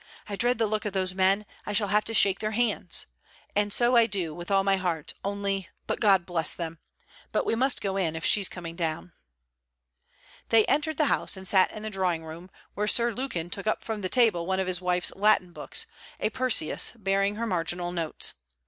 I dread the look of those men; I shall have to shake their hands! And so I do, with all my heart: only But God bless them! But we must go in, if she's coming down.' They entered the house, and sat in the drawing room, where Sir Lukin took up from the table one of his wife's Latin books, a Persius, bearing her marginal notes.